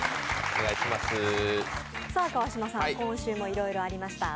川島さん、今週もいろいろありました。